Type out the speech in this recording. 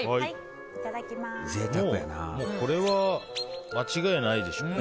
もうこれは間違いないでしょうね。